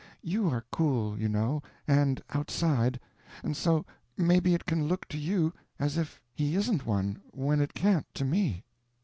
You are cool, you know, and outside; and so, maybe it can look to you as if he isn't one, when it can't to me.